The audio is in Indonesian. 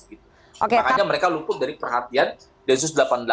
makanya mereka luput dari perhatian densus delapan puluh delapan